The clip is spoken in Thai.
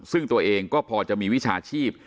ซึ่งตัวเองก็พอจะมีวิชาชีพ